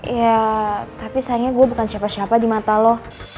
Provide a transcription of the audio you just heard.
ya tapi sayangnya gue bukan siapa siapa di mata lo